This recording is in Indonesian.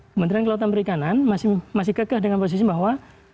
kementerian kelautan perikanan masih kekeh dengan posisi bahwa